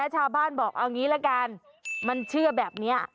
ชาวบ้านบอกเอางี้ละกันมันเชื่อแบบนี้